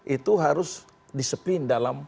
itu harus disiplin dalam